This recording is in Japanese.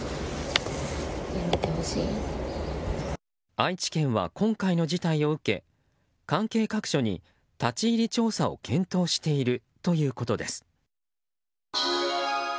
愛知県は今回の事態を受け関係各所に立ち入り調査を検討しているということです。